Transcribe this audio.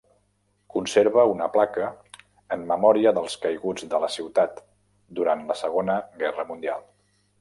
Conserva una placa en memòria dels caiguts de la ciutat durant la Segona Guerra Mundial.